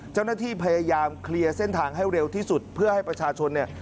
เจ้าหน้าที่พยายามเคลียร์เส้นทางให้เร็วที่สุดเพื่อให้ประชาชนเนี่ย